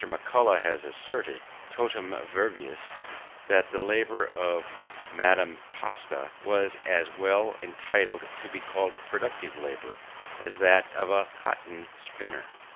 M'Culloch has asserted, totidem verbis, that the labour of Madame Pasta was as well entitled to be called productive labour as that of a cotton spinner.